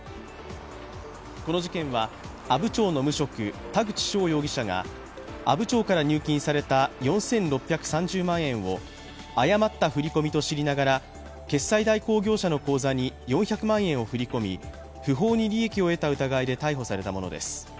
この事件は阿武町の無職、田口翔容疑者が阿武町から入金された４６３０万円を誤った振り込みと知りながら決済代行業者の口座に４００万円を振り込み不法に利益を得た疑いで逮捕されたものです。